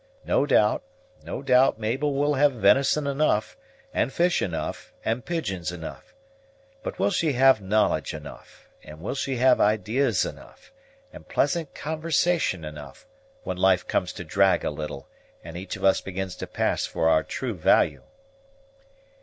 No doubt, no doubt, Mabel will have venison enough, and fish enough, and pigeons enough; but will she have knowledge enough, and will she have idees enough, and pleasant conversation enough, when life comes to drag a little, and each of us begins to pass for our true value?"